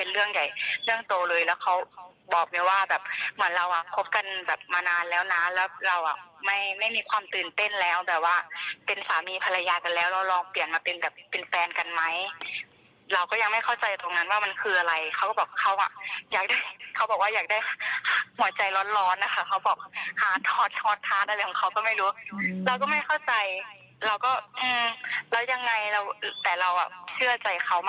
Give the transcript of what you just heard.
เราก็ไม่เข้าใจเราก็แล้วยังไงแต่เราเชื่อใจเขามากในครั้งชีวิตเขา